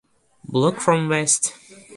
Block from west.